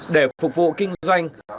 để phục vụ kinh doanh